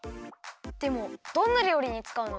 でもどんなりょうりにつかうの？